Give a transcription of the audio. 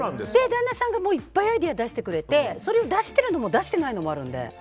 旦那さんがいっぱいアイデアを出してくれてそれを出しているのも出していないのもあるので。